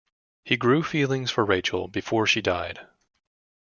He grew feelings for Rachel, before she died.